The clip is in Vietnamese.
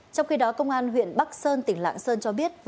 trong khi đó công an huyện bắc sơn tỉnh lạng sơn cho biết